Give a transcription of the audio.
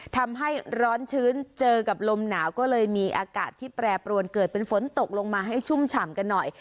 ทำให้ร้อนชื้นเจอกับลมหนาวก็เลยมีอากาศที่แปรปรวนเกิดเป็นฝนตกลงมาให้ชุ่มฉ่ำกันหน่อย